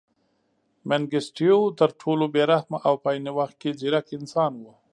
منګیسټیو تر ټولو بې رحمه او په عین وخت کې ځیرک انسان و.